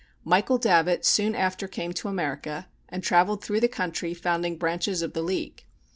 Michael Davitt soon after came to America and travelled through the country founding branches of the League.